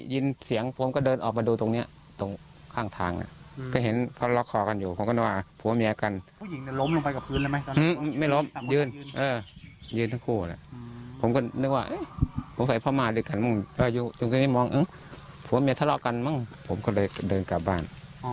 อยู่ที่นี่มองผู้หญิงผัวเมียทะเลาะกันมั้งผมก็เลยเดินกลับบ้าน